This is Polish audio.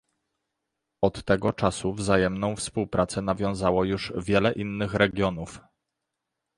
Od tego czasu wzajemną współpracę nawiązało już wiele innych regionów